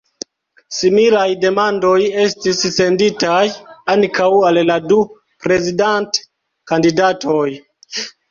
Similaj demandoj estis senditaj ankaŭ al la du prezidant-kandidatoj.